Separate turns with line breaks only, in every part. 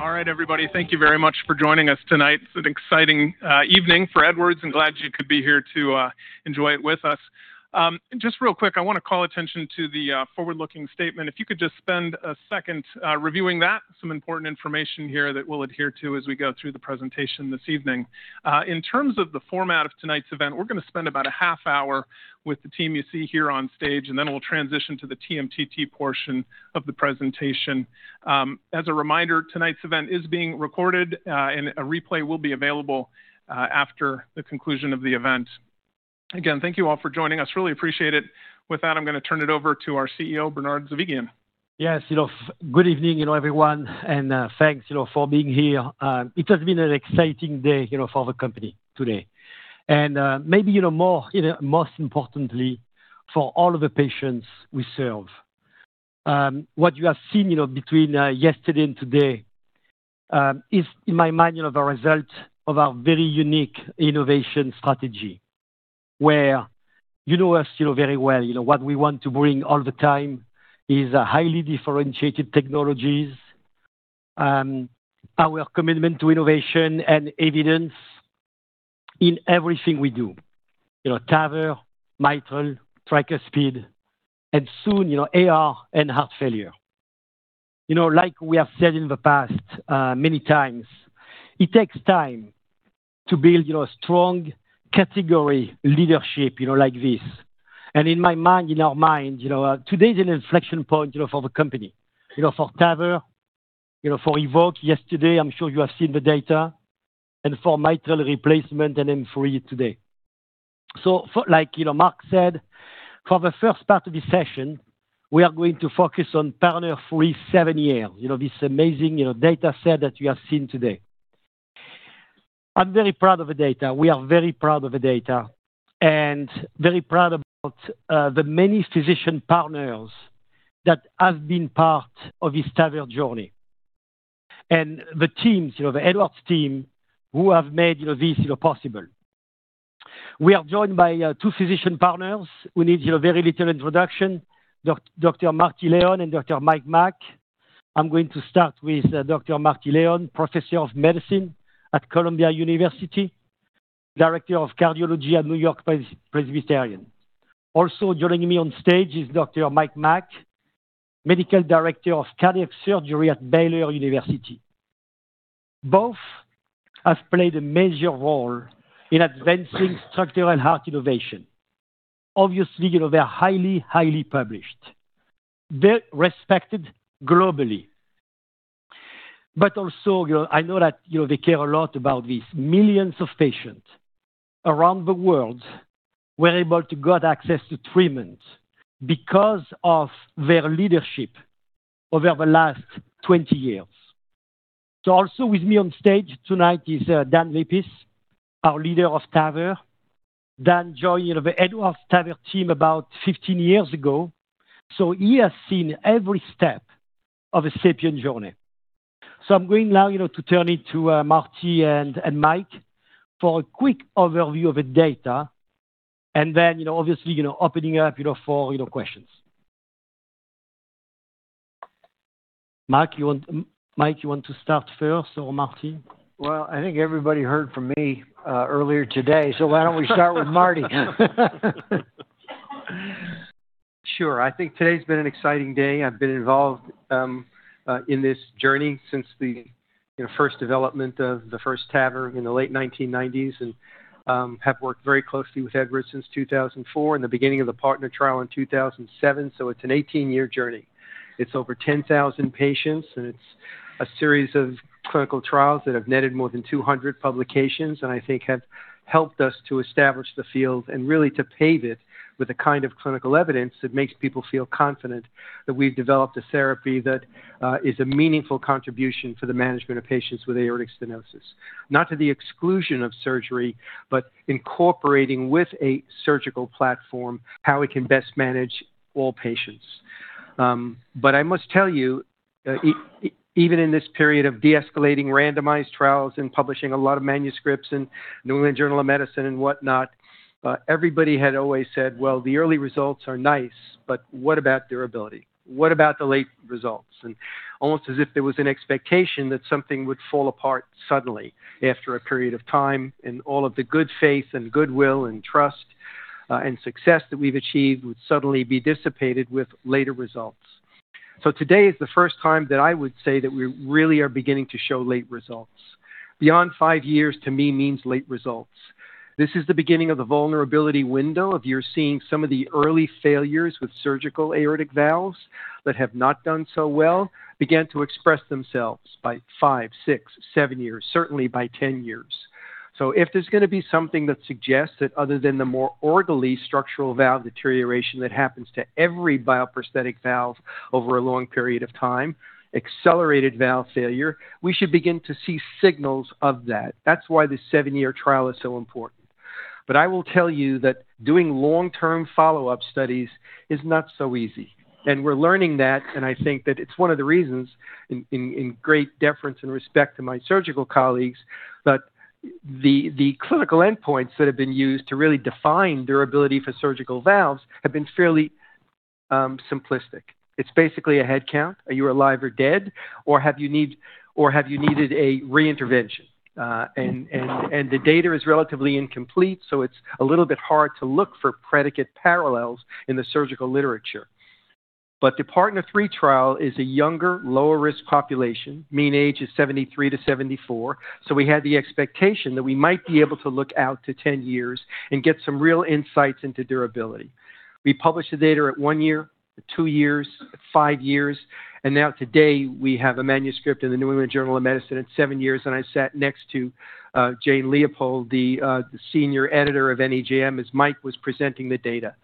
All right, everybody, thank you very much for joining us tonight. It's an exciting evening for Edwards, and glad you could be here to enjoy it with us. Just real quick, I want to call attention to the forward-looking statement. If you could just spend a second reviewing that, some important information here that we'll adhere to as we go through the presentation this evening. In terms of the format of tonight's event, we're going to spend about a half hour with the team you see here on stage, and then we'll transition to the TMTT portion of the presentation. As a reminder, tonight's event is being recorded, and a replay will be available after the conclusion of the event. Again, thank you all for joining us. Really appreciate it. With that, I'm going to turn it over to our CEO, Bernard Zovighian.
Yes, you know, good evening, you know, everyone, and thanks, you know, for being here. It has been an exciting day, you know, for the company today, and maybe, you know, more, you know, most importantly, for all of the patients we serve. What you have seen, you know, between yesterday and today is, in my mind, you know, the result of our very unique innovation strategy, where you know us, you know, very well. You know, what we want to bring all the time is highly differentiated technologies, our commitment to innovation and evidence in everything we do. You know, TAVR, mitral, tricuspid, and soon, you know, AR and heart failure. You know, like we have said in the past many times, it takes time to build, you know, strong category leadership, you know, like this. And in my mind, in our mind, you know, today is an inflection point, you know, for the company. You know, for TAVR, you know, for EVOQUE yesterday, I'm sure you have seen the data, and for mitral replacement and M3 today. So, like, you know, Mack said, for the first part of this session, we are going to focus on PARTNER 3, seven years, you know, this amazing, you know, data set that you have seen today. I'm very proud of the data. We are very proud of the data, and very proud about the many physician partners that have been part of this TAVR journey, and the teams, you know, the Edwards team, who have made, you know, this, you know, possible. We are joined by two physician partners. We need, you know, very little introduction, Dr. Martin Leon and Dr. Mike Mack. I'm going to start with Dr. Martin Leon, Professor of Medicine at Columbia University, Director of Cardiology at NewYork-Presbyterian. Also joining me on stage is Dr. Mike Mack, Medical Director of Cardiac Surgery at Baylor Scott & White Health. Both have played a major role in advancing structural heart innovation. Obviously, you know, they're highly, highly published, they're respected globally. But also, you know, I know that, you know, they care a lot about this. Millions of patients around the world were able to get access to treatment because of their leadership over the last 20 years. So also with me on stage tonight is Dan Lippis, our leader of TAVR. Dan joined, you know, the Edwards TAVR team about 15 years ago. So he has seen every step of a SAPIEN journey. So I'm going now, you know, to turn it to Martin and Mike for a quick overview of the data, and then, you know, obviously, you know, opening up, you know, for, you know, questions. Mike, you want to start first or Martin?
I think everybody heard from me earlier today, so why don't we start with Martin?
Sure. I think today's been an exciting day. I've been involved in this journey since the, you know, first development of the first TAVR in the late 1990s, and have worked very closely with Edwards since 2004, and the beginning of the partner trial in 2007. So it's an 18-year journey. It's over 10,000 patients, and it's a series of clinical trials that have netted more than 200 publications, and I think have helped us to establish the field and really to pave it with the kind of clinical evidence that makes people feel confident that we've developed a therapy that is a meaningful contribution for the management of patients with aortic stenosis. Not to the exclusion of surgery, but incorporating with a surgical platform how we can best manage all patients. But I must tell you, even in this period of de-escalating randomized trials and publishing a lot of manuscripts in New England Journal of Medicine and whatnot, everybody had always said, well, the early results are nice, but what about durability? What about the late results? And almost as if there was an expectation that something would fall apart suddenly after a period of time, and all of the good faith and goodwill and trust and success that we've achieved would suddenly be dissipated with later results. So today is the first time that I would say that we really are beginning to show late results. Beyond five years to me means late results. This is the beginning of the vulnerability window where you're seeing some of the early failures with surgical aortic valves that have not done so well begin to express themselves by five, six, seven years, certainly by 10 years. So if there's going to be something that suggests that other than the more orderly structural valve deterioration that happens to every bioprosthetic valve over a long period of time, accelerated valve failure, we should begin to see signals of that. That's why the seven-year trial is so important. But I will tell you that doing long-term follow-up studies is not so easy. And we're learning that, and I think that it's one of the reasons in great deference and respect to my surgical colleagues, that the clinical endpoints that have been used to really define durability for surgical valves have been fairly simplistic. It's basically a head count, are you alive or dead, or have you needed a re-intervention? And the data is relatively incomplete, so it's a little bit hard to look for predicate parallels in the surgical literature. But the PARTNER 3 trial is a younger, lower-risk population. Mean age is 73-74. So we had the expectation that we might be able to look out to 10 years and get some real insights into durability. We published the data at one year, two years, five years, and now today we have a manuscript in the New England Journal of Medicine at seven years. And I sat next to Jane Leopold, the senior editor of NEJM, as Mike was presenting the data.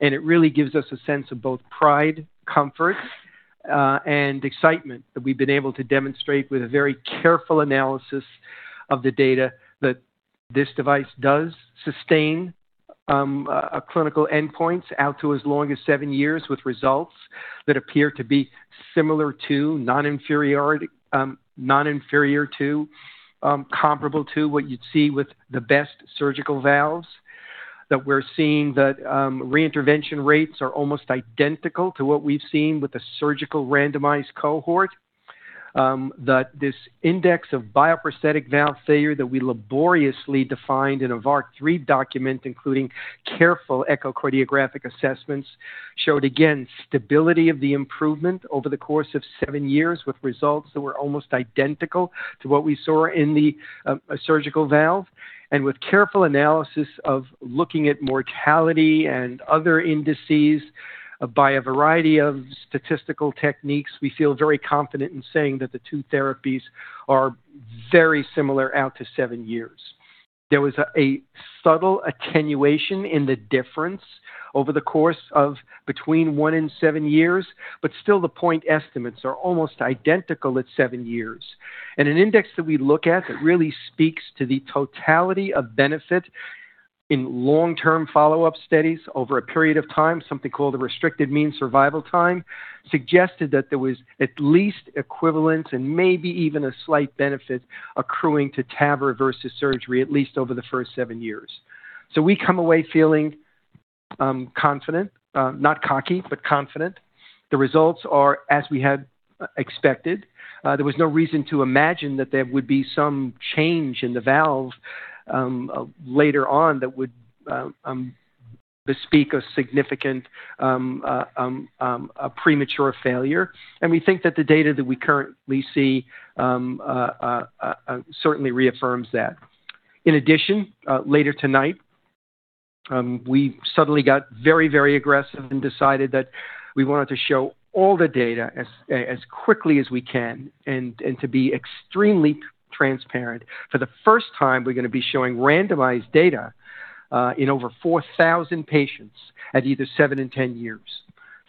It really gives us a sense of both pride, comfort, and excitement that we've been able to demonstrate with a very careful analysis of the data that this device does sustain clinical endpoints out to as long as seven years with results that appear to be similar to, not inferior to, comparable to what you'd see with the best surgical valves. That we're seeing that re-intervention rates are almost identical to what we've seen with the surgical randomized cohort. That this index of bioprosthetic valve failure that we laboriously defined in a VARC-3 document, including careful echocardiographic assessments, showed again stability of the improvement over the course of seven years with results that were almost identical to what we saw in the surgical valve. With careful analysis of looking at mortality and other indices by a variety of statistical techniques, we feel very confident in saying that the two therapies are very similar out to seven years. There was a subtle attenuation in the difference over the course of between one and seven years, but still the point estimates are almost identical at seven years. An index that we look at that really speaks to the totality of benefit in long-term follow-up studies over a period of time, something called a restricted mean survival time, suggested that there was at least equivalence and maybe even a slight benefit accruing to TAVR versus surgery, at least over the first seven years. We come away feeling confident, not cocky, but confident. The results are as we had expected. There was no reason to imagine that there would be some change in the valve later on that would speak of significant premature failure, and we think that the data that we currently see certainly reaffirms that. In addition, later tonight, we suddenly got very, very aggressive and decided that we wanted to show all the data as quickly as we can and to be extremely transparent. For the first time, we're going to be showing randomized data in over 4,000 patients at either seven and 10 years,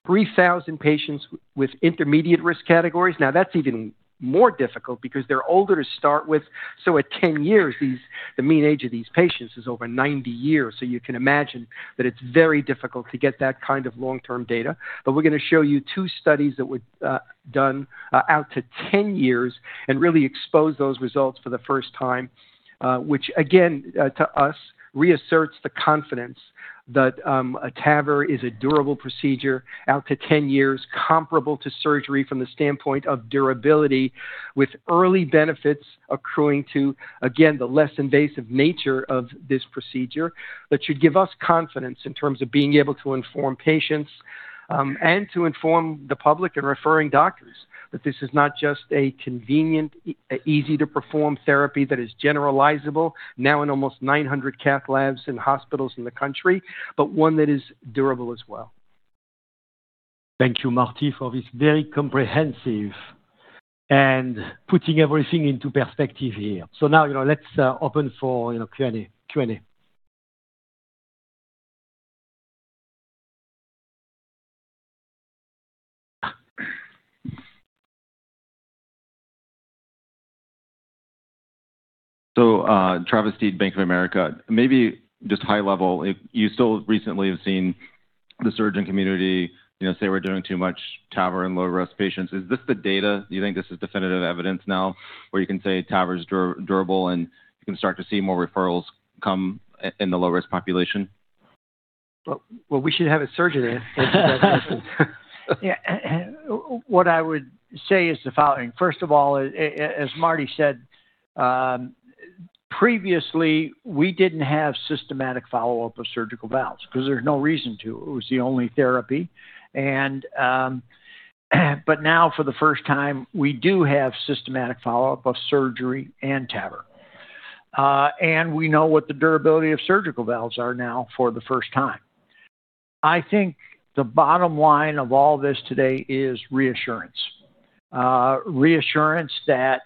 3,000 patients with intermediate risk categories. Now, that's even more difficult because they're older to start with, so at 10 years, the mean age of these patients is over 90 years, so you can imagine that it's very difficult to get that kind of long-term data. But we're going to show you two studies that were done out to 10 years and really expose those results for the first time, which again, to us, reasserts the confidence that TAVR is a durable procedure out to 10 years, comparable to surgery from the standpoint of durability, with early benefits accruing to, again, the less invasive nature of this procedure that should give us confidence in terms of being able to inform patients and to inform the public and referring doctors that this is not just a convenient, easy-to-perform therapy that is generalizable now in almost 900 cath labs and hospitals in the country, but one that is durable as well.
Thank you, Martin, for this very comprehensive and putting everything into perspective here. So now, you know, let's open for, you know, Q&A.
So, Travis Steed, Bank of America, maybe just high level, you still recently have seen the surgeon community, you know, say we're doing too much TAVR in low-risk patients. Is this the data? Do you think this is definitive evidence now where you can say TAVR is durable and you can start to see more referrals come in the low-risk population?
We should have a surgeon answer that question.
Yeah. What I would say is the following. First of all, as Martin said, previously, we didn't have systematic follow-up of surgical valves because there's no reason to. It was the only therapy. But now, for the first time, we do have systematic follow-up of surgery and TAVR. And we know what the durability of surgical valves are now for the first time. I think the bottom line of all this today is reassurance. Reassurance that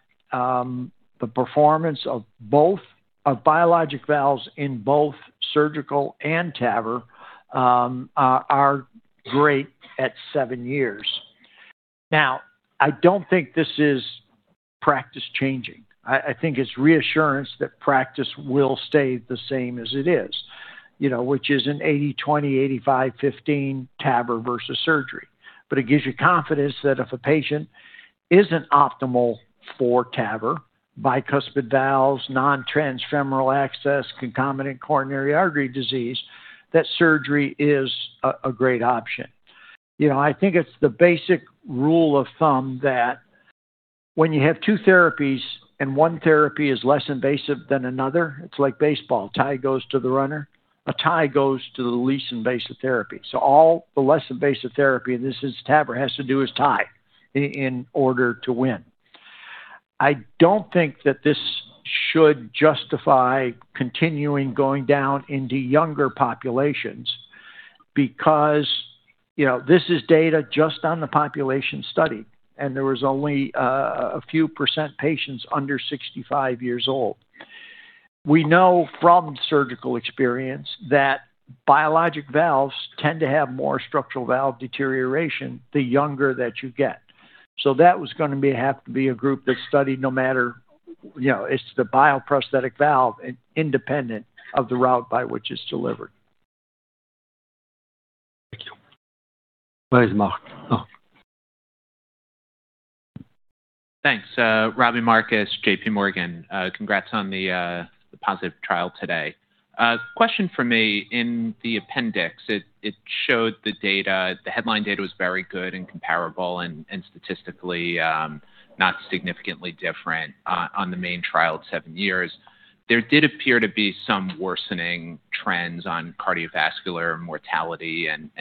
the performance of both biologic valves in both surgical and TAVR are great at seven years. Now, I don't think this is practice changing. I think it's reassurance that practice will stay the same as it is, you know, which is an 80/20, 85/15 TAVR versus surgery. But it gives you confidence that if a patient isn't optimal for TAVR, bicuspid valves, non-transfemoral access, concomitant coronary artery disease, that surgery is a great option. You know, I think it's the basic rule of thumb that when you have two therapies and one therapy is less invasive than another, it's like baseball. Tie goes to the runner. A tie goes to the least invasive therapy. So all the less invasive therapy, and this is TAVR, has to do is tie in order to win. I don't think that this should justify continuing going down into younger populations because, you know, this is data just on the population study, and there was only a few percent patients under 65 years old. We know from surgical experience that biologic valves tend to have more structural valve deterioration the younger that you get. So that was going to have to be a group that studied no matter, you know, it's the bioprosthetic valve independent of the route by which it's delivered. Thank you.
Thanks, Mack.
Thanks. Robbie Marcus, JPMorgan. Congrats on the positive trial today. Question for me. In the appendix, it showed the data. The headline data was very good and comparable and statistically not significantly different on the main trial at seven years. There did appear to be some worsening trends on cardiovascular mortality and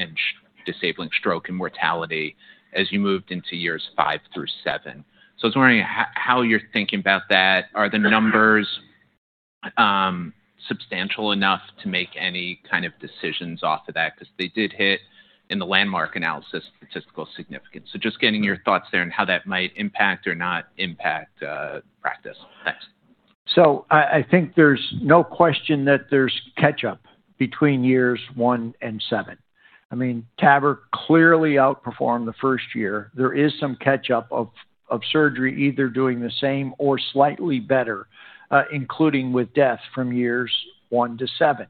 disabling stroke and mortality as you moved into years five through seven. So I was wondering how you're thinking about that. Are the numbers substantial enough to make any kind of decisions off of that? Because they did hit in the landmark analysis statistical significance. So just getting your thoughts there and how that might impact or not impact practice. Thanks.
So I think there's no question that there's catch-up between years one and seven. I mean, TAVR clearly outperformed the first year. There is some catch-up of surgery either doing the same or slightly better, including with death from years one to seven.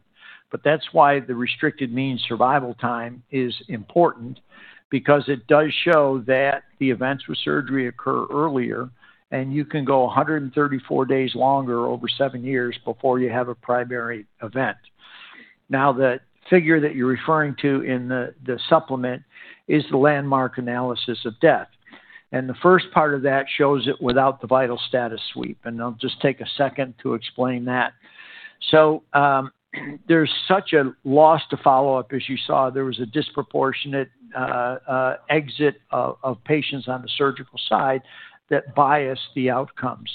But that's why the restricted mean survival time is important because it does show that the events with surgery occur earlier, and you can go 134 days longer over seven years before you have a primary event. Now, the figure that you're referring to in the supplement is the landmark analysis of death. And the first part of that shows it without the vital status sweep. And I'll just take a second to explain that. So there's such a loss to follow-up as you saw. There was a disproportionate exit of patients on the surgical side that biased the outcomes.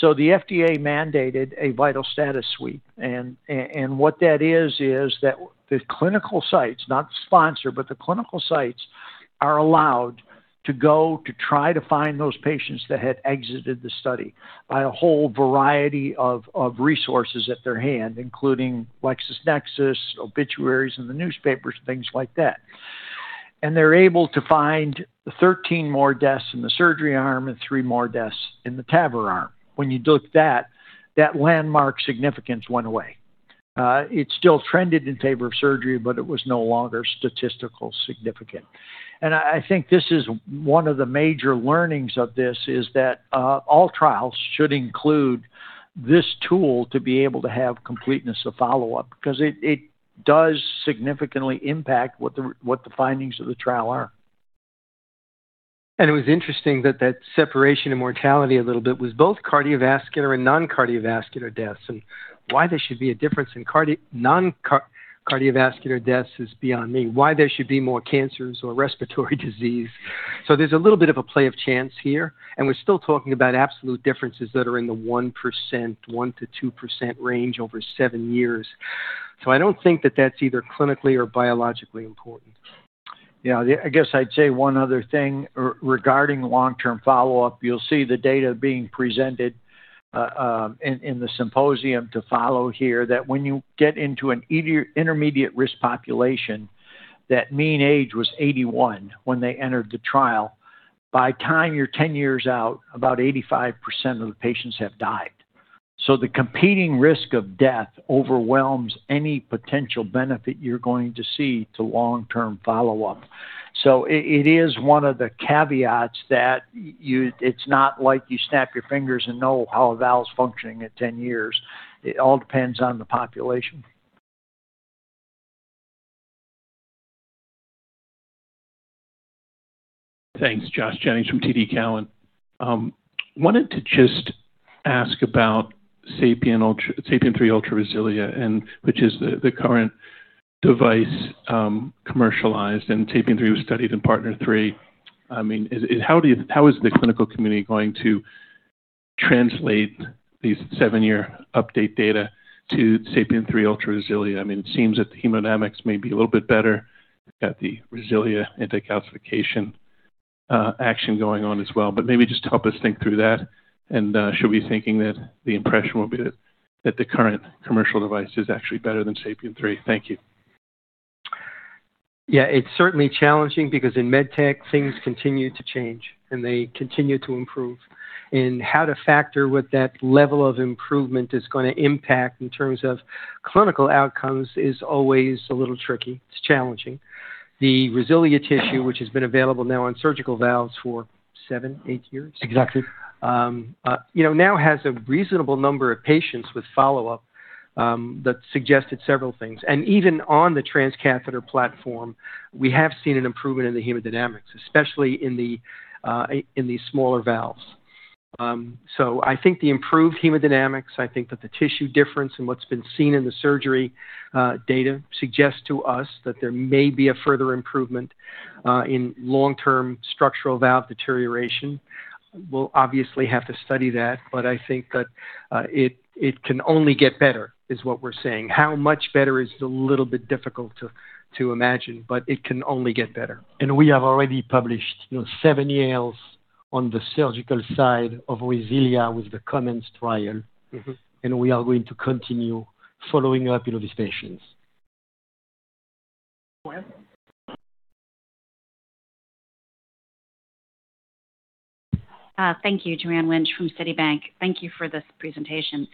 The FDA mandated a vital status sweep. What that is, is that the clinical sites, not the sponsor, but the clinical sites are allowed to go to try to find those patients that had exited the study by a whole variety of resources at their hand, including LexisNexis, obituaries in the newspapers, things like that. They're able to find 13 more deaths in the surgery arm and three more deaths in the TAVR arm. When you look at that, that landmark significance went away. It still trended in favor of surgery, but it was no longer statistical significant. I think this is one of the major learnings of this, is that all trials should include this tool to be able to have completeness of follow-up because it does significantly impact what the findings of the trial are.
And it was interesting that that separation of mortality a little bit was both cardiovascular and non-cardiovascular deaths. And why there should be a difference in non-cardiovascular deaths is beyond me. Why there should be more cancers or respiratory disease? So there's a little bit of a play of chance here. And we're still talking about absolute differences that are in the 1%-2% range over seven years. So I don't think that that's either clinically or biologically important.
Yeah. I guess I'd say one other thing regarding long-term follow-up. You'll see the data being presented in the symposium to follow here that when you get into an intermediate risk population, that mean age was 81 when they entered the trial. By the time you're 10 years out, about 85% of the patients have died. So the competing risk of death overwhelms any potential benefit you're going to see to long-term follow-up. So it is one of the caveats that it's not like you snap your fingers and know how a valve's functioning at 10 years. It all depends on the population.
Thanks, Josh Jennings from TD Cowen. Wanted to just ask about SAPIEN 3 Ultra RESILIA, which is the current device commercialized, and SAPIEN 3 was studied in PARTNER 3. I mean, how is the clinical community going to translate these seven-year update data to SAPIEN 3 Ultra RESILIA? I mean, it seems that the hemodynamics may be a little bit better at the RESILIA anti-calcification action going on as well. But maybe just help us think through that. And should we be thinking that the impression will be that the current commercial device is actually better than SAPIEN 3? Thank you.
Yeah. It's certainly challenging because in med tech, things continue to change and they continue to improve, and how to factor what that level of improvement is going to impact in terms of clinical outcomes is always a little tricky. It's challenging. The RESILIA tissue, which has been available now on surgical valves for seven, eight years.
Exactly.
You know, now has a reasonable number of patients with follow-up that suggested several things, and even on the transcatheter platform, we have seen an improvement in the hemodynamics, especially in the smaller valves, so I think the improved hemodynamics, I think that the tissue difference and what's been seen in the surgery data suggests to us that there may be a further improvement in long-term structural valve deterioration. We'll obviously have to study that, but I think that it can only get better is what we're saying. How much better is a little bit difficult to imagine, but it can only get better.
We have already published seven years on the surgical side of RESILIA with the COMMENCE trial. We are going to continue following up with these patients.
Thank you, Joanne Wuensch from Citibank. Thank you for this presentation.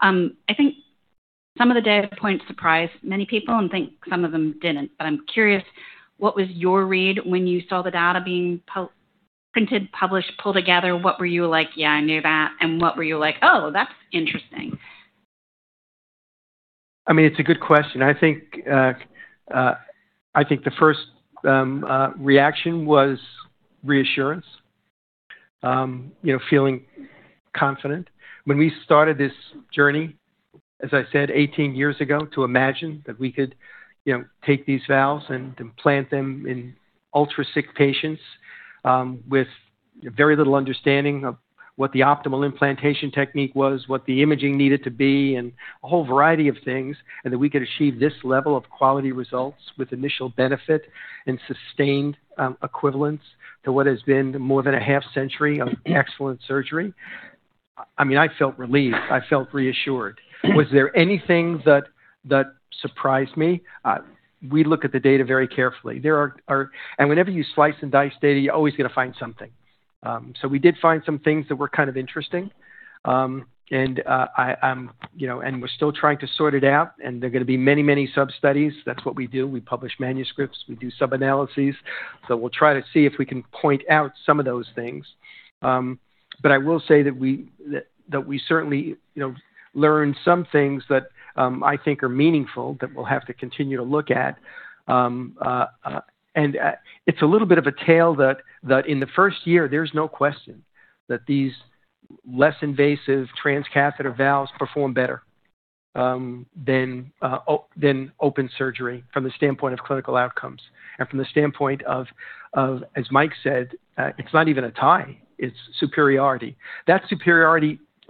I think some of the data points surprised many people and think some of them didn't. But I'm curious, what was your read when you saw the data being printed, published, pulled together? What were you like, "Yeah, I knew that"? And what were you like, "Oh, that's interesting"?
I mean, it's a good question. I think the first reaction was reassurance, you know, feeling confident. When we started this journey, as I said, 18 years ago, to imagine that we could take these valves and implant them in ultra-sick patients with very little understanding of what the optimal implantation technique was, what the imaging needed to be, and a whole variety of things, and that we could achieve this level of quality results with initial benefit and sustained equivalence to what has been more than a half-century of excellent surgery, I mean, I felt relieved. I felt reassured. Was there anything that surprised me? We look at the data very carefully. And whenever you slice and dice data, you're always going to find something. So we did find some things that were kind of interesting. And I'm, you know, and we're still trying to sort it out. And there are going to be many, many sub-studies. That's what we do. We publish manuscripts. We do sub-analyses. So we'll try to see if we can point out some of those things. But I will say that we certainly learned some things that I think are meaningful that we'll have to continue to look at. And it's a little bit of a tale that in the first year, there's no question that these less invasive transcatheter valves perform better than open surgery from the standpoint of clinical outcomes. And from the standpoint of, as Mike said, it's not even a tie. It's superiority. That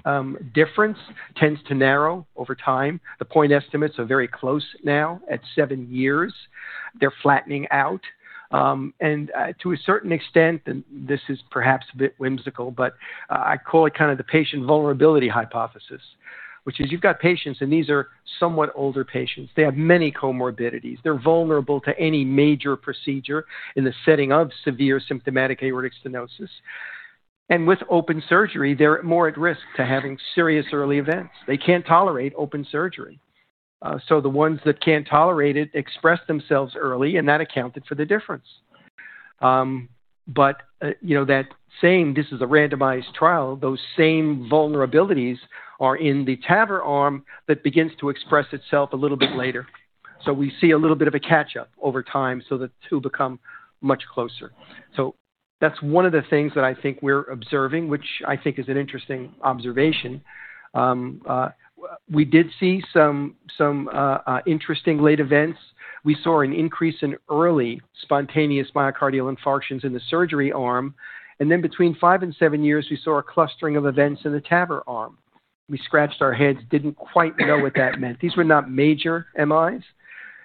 superiority difference tends to narrow over time. The point estimates are very close now at seven years. They're flattening out. To a certain extent, and this is perhaps a bit whimsical, but I call it kind of the patient vulnerability hypothesis, which is you've got patients, and these are somewhat older patients. They have many comorbidities. They're vulnerable to any major procedure in the setting of severe symptomatic aortic stenosis. With open surgery, they're more at risk to having serious early events. They can't tolerate open surgery. So the ones that can't tolerate it expressed themselves early, and that accounted for the difference. But, you know, that said, this is a randomized trial. Those same vulnerabilities are in the TAVR arm that begins to express itself a little bit later. So we see a little bit of a catch-up over time so the two become much closer. So that's one of the things that I think we're observing, which I think is an interesting observation. We did see some interesting late events. We saw an increase in early spontaneous myocardial infarctions in the surgery arm, and then between five and seven years, we saw a clustering of events in the TAVR arm. We scratched our heads, didn't quite know what that meant. These were not major MIs.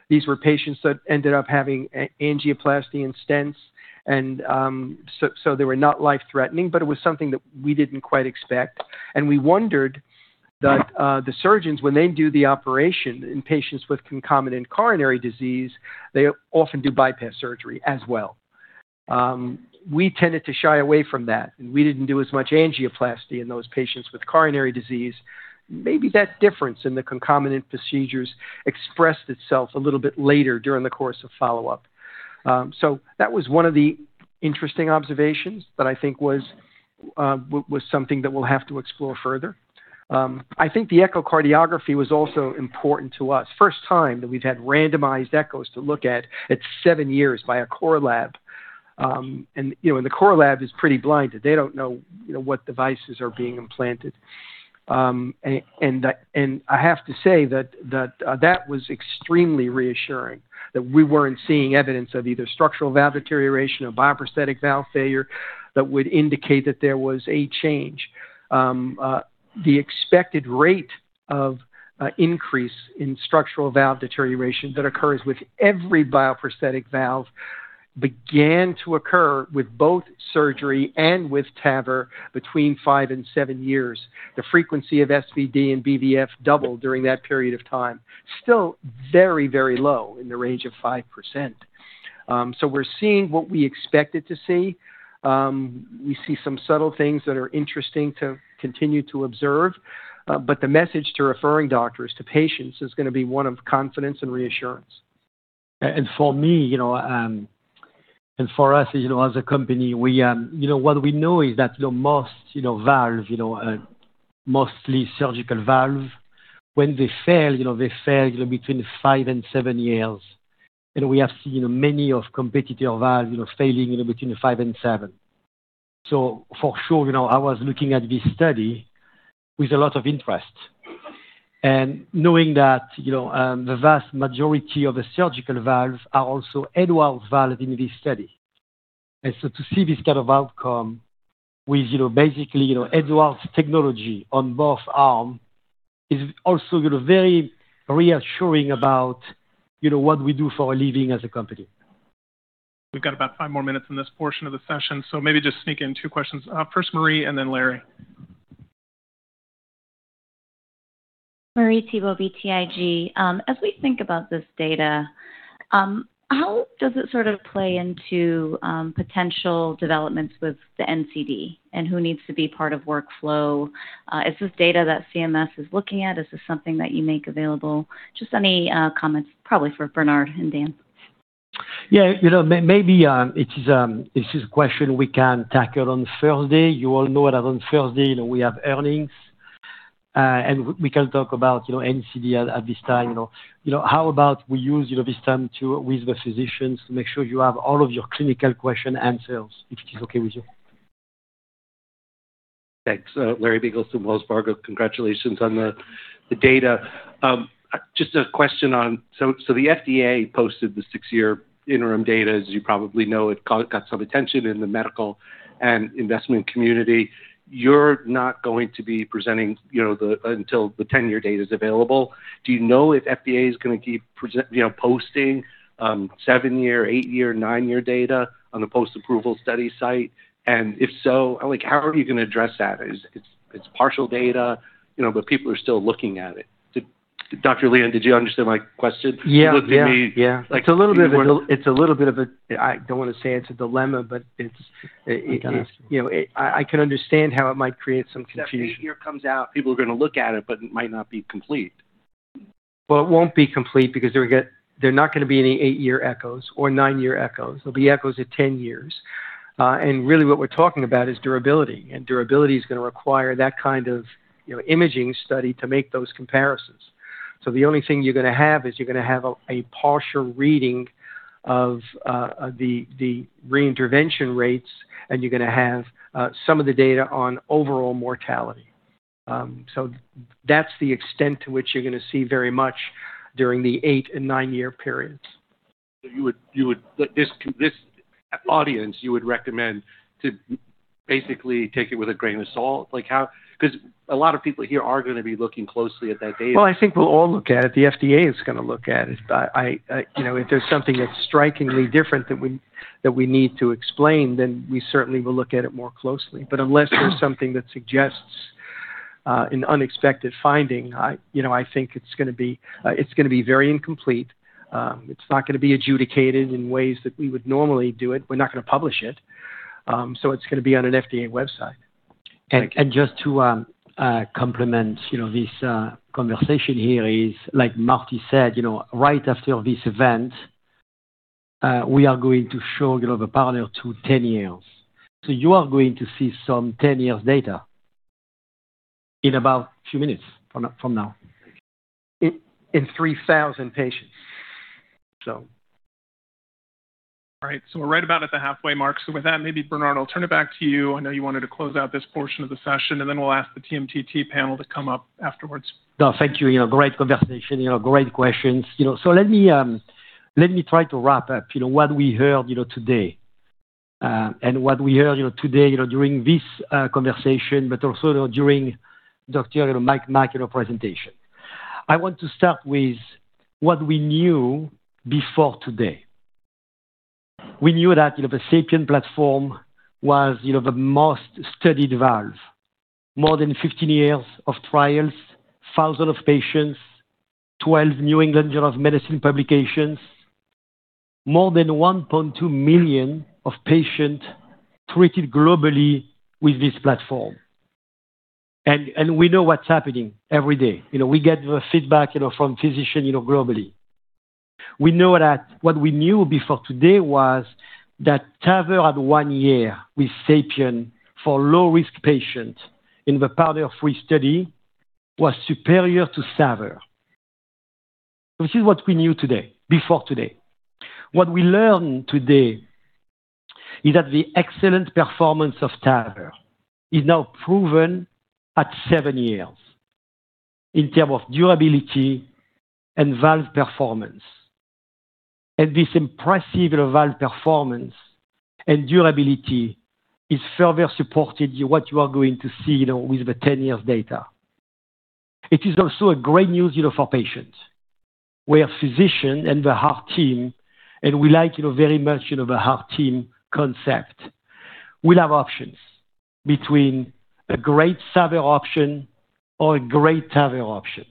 These were patients that ended up having angioplasty and stents, and so they were not life-threatening, but it was something that we didn't quite expect, and we wondered that the surgeons, when they do the operation in patients with concomitant coronary disease, they often do bypass surgery as well. We tended to shy away from that, and we didn't do as much angioplasty in those patients with coronary disease. Maybe that difference in the concomitant procedures expressed itself a little bit later during the course of follow-up. So that was one of the interesting observations that I think was something that we'll have to explore further. I think the echocardiography was also important to us. First time that we've had randomized echoes to look at seven years by a core lab. And, you know, the core lab is pretty blinded. They don't know what devices are being implanted. And I have to say that was extremely reassuring that we weren't seeing evidence of either structural valve deterioration or bioprosthetic valve failure that would indicate that there was a change. The expected rate of increase in structural valve deterioration that occurs with every bioprosthetic valve began to occur with both surgery and with TAVR between five and seven years. The frequency of SVD and BVF doubled during that period of time. Still very, very low in the range of 5%. We're seeing what we expected to see. We see some subtle things that are interesting to continue to observe. The message to referring doctors, to patients, is going to be one of confidence and reassurance.
And for me, you know, and for us, you know, as a company, you know, what we know is that most valves, you know, mostly surgical valves, when they fail, you know, they fail between five and seven years. And we have seen many of competitor valves, you know, failing between five and seven. So for sure, you know, I was looking at this study with a lot of interest. And knowing that, you know, the vast majority of the surgical valves are also Edwards valves in this study. And so to see this kind of outcome with, you know, basically, you know, Edwards technology on both arms is also, you know, very reassuring about, you know, what we do for a living as a company.
We've got about five more minutes in this portion of the session. So maybe just sneak in two questions. First, Marie, and then Larry.
Marie Thibault, BTIG. As we think about this data, how does it sort of play into potential developments with the NCD and who needs to be part of workflow? Is this data that CMS is looking at? Is this something that you make available? Just any comments, probably for Bernard and Dan.
Yeah. You know, maybe it's a question we can tackle on Thursday. You all know that on Thursday, you know, we have earnings, and we can talk about, you know, NCD at this time. You know, how about we use this time with the physicians to make sure you have all of your clinical question answers, if it is okay with you?
Thanks. Larry Biegelsen from Wells Fargo, congratulations on the data. Just a question on, so the FDA posted the six-year interim data, as you probably know. It got some attention in the medical and investment community. You're not going to be presenting, you know, until the 10-year data is available. Do you know if FDA is going to keep posting seven-year, eight-year, nine-year data on the post-approval study site? And if so, how are you going to address that? It's partial data, you know, but people are still looking at it. Dr. Leon, did you understand my question?
Yeah. It's a little bit of a, I don't want to say it's a dilemma, but it's, you know, I can understand how it might create some confusion.
When the eight-year comes out, people are going to look at it, but it might not be complete.
It won't be complete because there are not going to be any eight-year echoes or nine-year echoes. There'll be echoes at 10 years. Really what we're talking about is durability. Durability is going to require that kind of imaging study to make those comparisons. The only thing you're going to have is you're going to have a partial reading of the reintervention rates, and you're going to have some of the data on overall mortality. That's the extent to which you're going to see very much during the eight and nine-year periods.
So you would, this audience, you would recommend to basically take it with a grain of salt? Like how, because a lot of people here are going to be looking closely at that data.
I think we'll all look at it. The FDA is going to look at it. You know, if there's something that's strikingly different that we need to explain, then we certainly will look at it more closely. But unless there's something that suggests an unexpected finding, you know, I think it's going to be very incomplete. It's not going to be adjudicated in ways that we would normally do it. We're not going to publish it. It's going to be on an FDA website.
Just to complement, you know, this conversation here is, like Martin said, you know, right after this event, we are going to show, you know, the PARTNER 2 10 years. You are going to see some 10-year data in about a few minutes from now.
In 3,000 patients, so.
All right. So we're right about at the halfway mark. So with that, maybe, Bernard, I'll turn it back to you. I know you wanted to close out this portion of the session, and then we'll ask the TMTT panel to come up afterwards.
No, thank you. You know, great conversation, you know, great questions. You know, so let me try to wrap up, you know, what we heard, you know, today, and what we heard, you know, today, you know, during this conversation, but also during Dr. Mike Mack, you know, presentation. I want to start with what we knew before today. We knew that, you know, the SAPIEN platform was, you know, the most studied valve. More than 15 years of trials, thousands of patients, 12 New England Journal of Medicine publications, more than 1.2 million patients treated globally with this platform, and we know what's happening every day. You know, we get the feedback, you know, from physicians, you know, globally. We know that what we knew before today was that TAVR at one year with SAPIEN for low-risk patients in the PARTNER 3 study was superior to SAVR. This is what we knew today, before today. What we learned today is that the excellent performance of TAVR is now proven at seven years in terms of durability and valve performance. And this impressive valve performance and durability is further supported by what you are going to see, you know, with the 10-year data. It is also great news, you know, for patients where physicians and the heart team, and we like, you know, very much, you know, the heart team concept, we have options between a great SAVR option or a great TAVR option.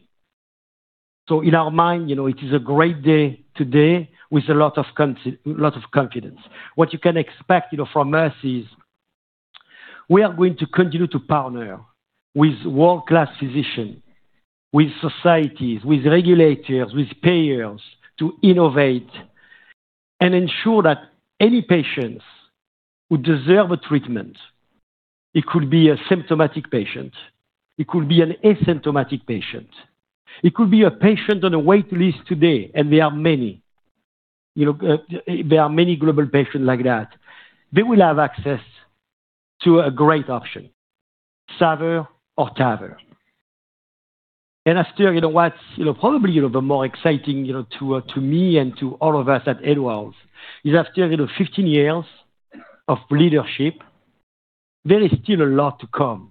So in our mind, you know, it is a great day today with a lot of confidence. What you can expect, you know, from us is we are going to continue to partner with world-class physicians, with societies, with regulators, with payers to innovate and ensure that any patients who deserve a treatment, it could be a symptomatic patient, it could be an asymptomatic patient, it could be a patient on a waitlist today, and there are many, you know, there are many global patients like that, they will have access to a great option, SAVR or TAVR, and after, you know, what's, you know, probably, you know, the more exciting, you know, to me and to all of us at Edwards is after, you know, 15 years of leadership, there is still a lot to come.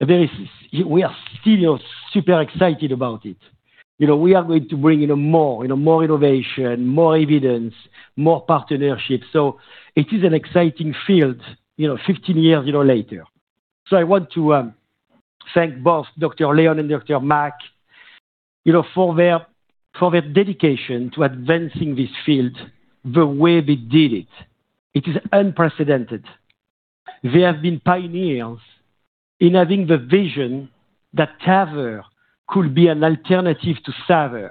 There is, we are still, you know, super excited about it. You know, we are going to bring, you know, more, you know, more innovation, more evidence, more partnerships. It is an exciting field, you know, 15 years, you know, later. I want to thank both Dr. Leon and Dr. Mack, you know, for their dedication to advancing this field the way they did it. It is unprecedented. They have been pioneers in having the vision that TAVR could be an alternative to SAVR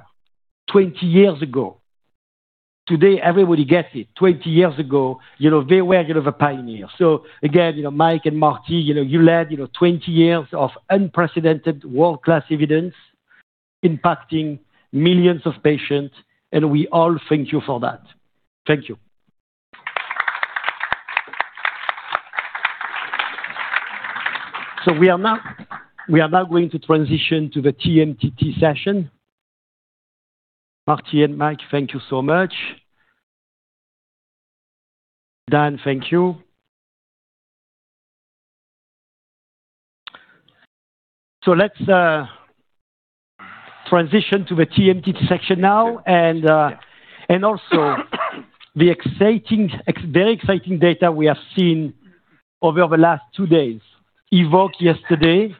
20 years ago. Today, everybody gets it. 20 years ago, you know, they were, you know, the pioneers. Again, you know, Mike and Martin, you know, you led, you know, 20 years of unprecedented world-class evidence impacting millions of patients. And we all thank you for that. Thank you. We are now going to transition to the TMTT session. Martin and Mike, thank you so much. Dan, thank you. Let's transition to the TMTT section now. And also the exciting, very exciting data we have seen over the last two days, EVOQUE yesterday,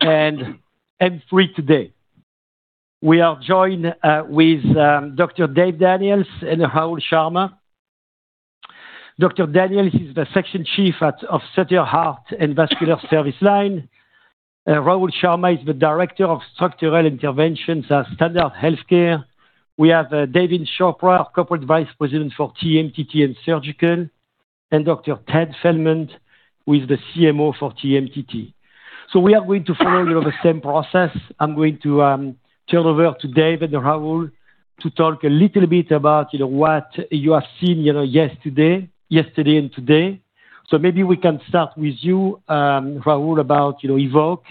and M3 today. We are joined with Dr. David Daniels and Rahul Sharma. Dr. Daniels is the section chief of Sutter Heart and Vascular Service Line. Rahul Sharma is the director of structural interventions at Stanford Health Care. We have Daveen Chopra, our Corporate Vice President for TMTT and surgical, and Dr. Ted Feldman who is the CMO for TMTT. So we are going to follow, you know, the same process. I'm going to turn over to David and Rahul to talk a little bit about, you know, what you have seen, you know, yesterday, yesterday and today. So maybe we can start with you, Rahul, about, you know, EVOQUE.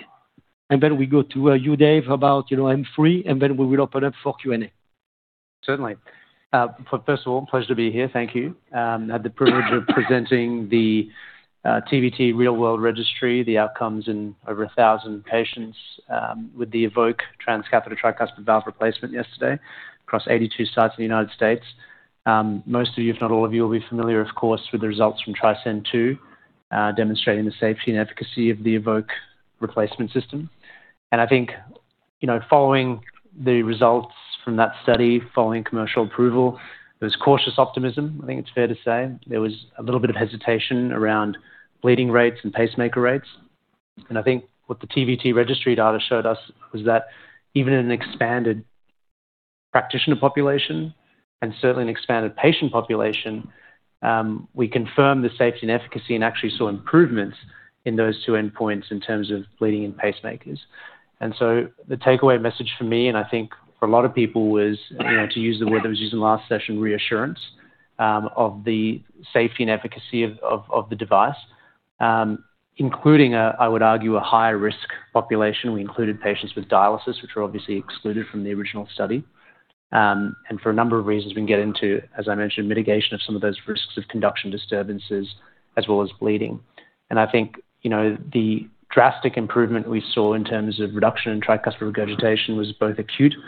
And then we go to you, Dave, about, you know, M3, and then we will open up for Q&A.
Certainly. First of all, pleasure to be here. Thank you. I had the privilege of presenting the TVT Real World Registry, the outcomes in over 1,000 patients with the EVOQUE transcatheter tricuspid valve replacement yesterday across 82 sites in the United States. Most of you, if not all of you, will be familiar, of course, with the results from TRISCEND II demonstrating the safety and efficacy of the EVOQUE replacement system. And I think, you know, following the results from that study, following commercial approval, there was cautious optimism, I think it's fair to say. There was a little bit of hesitation around bleeding rates and pacemaker rates. I think what the TVT registry data showed us was that even in an expanded practitioner population and certainly an expanded patient population, we confirmed the safety and efficacy and actually saw improvements in those two endpoints in terms of bleeding and pacemakers. And so the takeaway message for me, and I think for a lot of people was, you know, to use the word that was used in the last session, reassurance of the safety and efficacy of the device, including, I would argue, a higher risk population. We included patients with dialysis, which were obviously excluded from the original study. And for a number of reasons, we can get into, as I mentioned, mitigation of some of those risks of conduction disturbances as well as bleeding. And I think, you know, the drastic improvement we saw in terms of reduction in tricuspid regurgitation was both acute and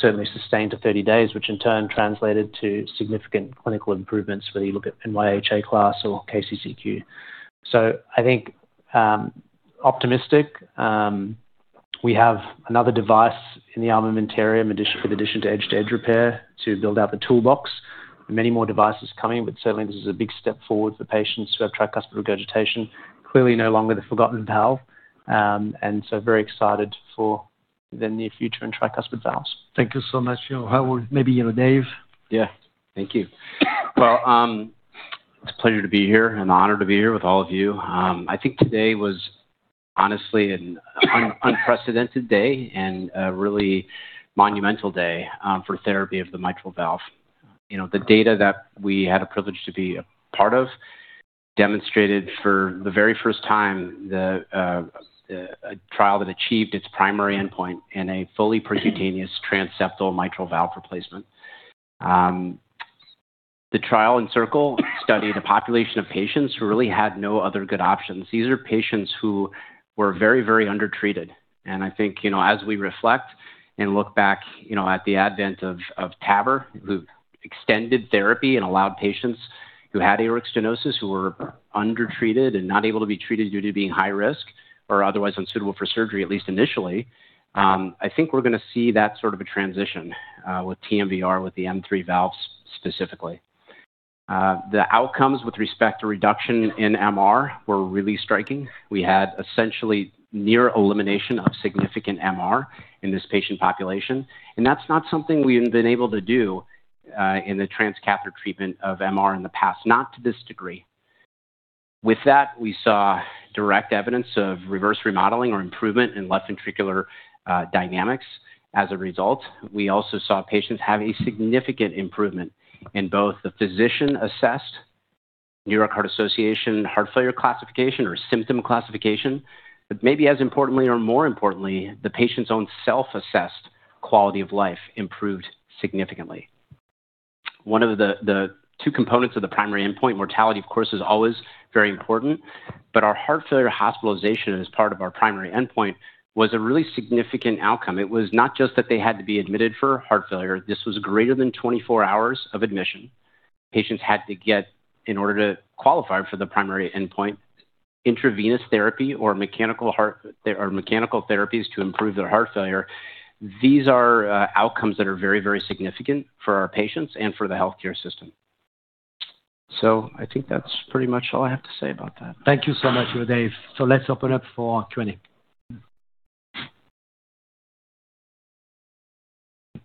certainly sustained to 30 days, which in turn translated to significant clinical improvements whether you look at NYHA class or KCCQ. So I think optimistic. We have another device in the armamentarium with addition to edge-to-edge repair to build out the toolbox. Many more devices coming, but certainly this is a big step forward for patients who have tricuspid regurgitation, clearly no longer the forgotten valve. And so very excited for the near future and tricuspid valves.
Thank you so much. You know, maybe, you know, Dave.
Yeah. Thank you. Well, it's a pleasure to be here and honored to be here with all of you. I think today was honestly an unprecedented day and a really monumental day for therapy of the mitral valve. You know, the data that we had a privilege to be a part of demonstrated for the very first time a trial that achieved its primary endpoint in a fully percutaneous transseptal mitral valve replacement. The ENCIRCLE trial studied a population of patients who really had no other good options. These are patients who were very, very undertreated. I think, you know, as we reflect and look back, you know, at the advent of TAVR, who extended therapy and allowed patients who had aortic stenosis who were undertreated and not able to be treated due to being high risk or otherwise unsuitable for surgery, at least initially, I think we're going to see that sort of a transition with TMVR, with the M3 valves specifically. The outcomes with respect to reduction in MR were really striking. We had essentially near elimination of significant MR in this patient population. That's not something we've been able to do in the transcatheter treatment of MR in the past, not to this degree. With that, we saw direct evidence of reverse remodeling or improvement in left ventricular dynamics as a result. We also saw patients have a significant improvement in both the physician-assessed New York Heart Association heart failure classification or symptom classification, but maybe as importantly or more importantly, the patient's own self-assessed quality of life improved significantly. One of the two components of the primary endpoint, mortality, of course, is always very important, but our heart failure hospitalization as part of our primary endpoint was a really significant outcome. It was not just that they had to be admitted for heart failure. This was greater than 24 hours of admission. Patients had to get, in order to qualify for the primary endpoint, intravenous therapy or mechanical heart or mechanical therapies to improve their heart failure. These are outcomes that are very, very significant for our patients and for the healthcare system. So I think that's pretty much all I have to say about that.
Thank you so much, Dave. So let's open up for Q&A.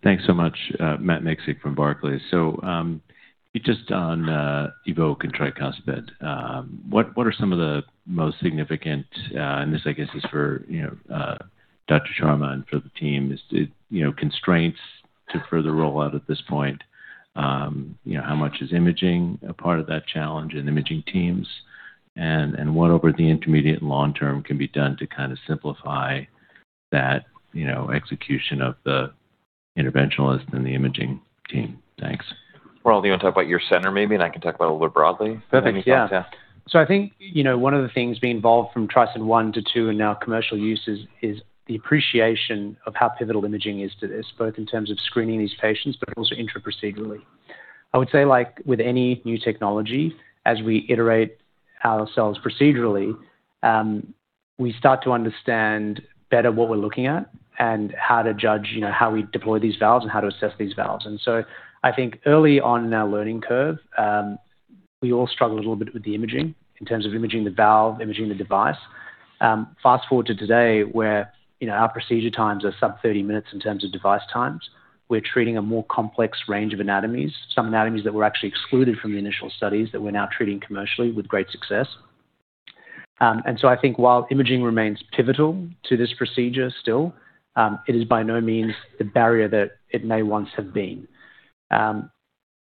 Thanks so much, Matt Miksic from Barclays. So just on EVOQUE and tricuspid, what are some of the most significant, and this I guess is for, you know, Dr. Sharma and for the team, is, you know, constraints to further roll out at this point? You know, how much is imaging a part of that challenge and imaging teams? And what over the intermediate and long term can be done to kind of simplify that, you know, execution of the interventionalist and the imaging team? Thanks.
For all, do you want to talk about your center maybe, and I can talk about it a little broadly.
Perfect. Yeah. If that makes sense. Yeah.
So I think, you know, one of the things being involved from TRISCEND I to II and now commercial use is the appreciation of how pivotal imaging is to this, both in terms of screening these patients, but also intra-procedurally. I would say, like with any new technology, as we iterate ourselves procedurally, we start to understand better what we're looking at and how to judge, you know, how we deploy these valves and how to assess these valves. And so I think early on in our learning curve, we all struggle a little bit with the imaging in terms of imaging the valve, imaging the device. Fast forward to today where, you know, our procedure times are sub-30 minutes in terms of device times. We're treating a more complex range of anatomies, some anatomies that were actually excluded from the initial studies that we're now treating commercially with great success, and so I think while imaging remains pivotal to this procedure still, it is by no means the barrier that it may once have been.